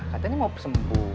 katanya mau sembuh